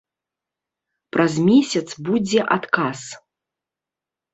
Праз месяц будзе адказ.